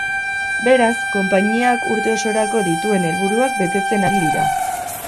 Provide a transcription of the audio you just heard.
Beraz, konpainiak urte osorako dituen helburuak betetzen ari dira.